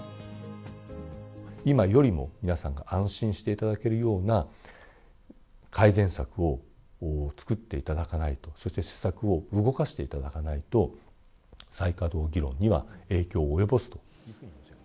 今よりも皆さんが安心していただけるような改善策を作っていただかないと、そして施策を動かしていただかないと、再稼働議論には影響を及ぼすというふうに。